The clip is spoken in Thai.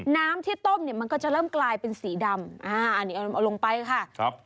น้ำที่ต้มเนี่ยมันก็จะเริ่มกลายเป็นสีดำอ่าอันนี้เอาลงไปค่ะครับ